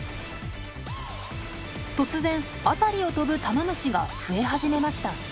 突然辺りを飛ぶタマムシが増え始めました。